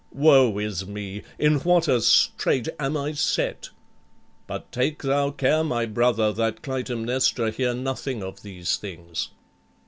Woe is me! in what a strait am I set! But take thou care, my brother, that Clytæmnestra hear nothing of these things."